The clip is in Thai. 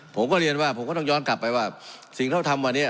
ผมก็เรียนว่าผมก็ต้องย้อนกลับไปว่าสิ่งที่เขาทำวันนี้